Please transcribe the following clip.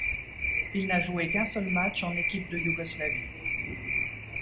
Il n'a joué qu'un seul match en équipe de Yougoslavie.